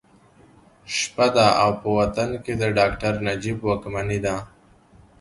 شپه ده او په وطن کې د ډاکټر نجیب واکمني ده